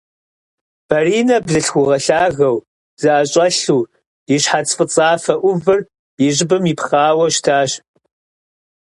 Баринэ бзылъхугъэ лъагэу, зэӀэщӀэлъу, и щхьэц фӀыцӀафэ Ӏувыр и щӀыбым ипхъауэ щытащ.